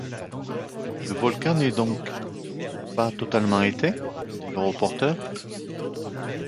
Le volcan n’est donc pas totalement éteint? dit le reporter.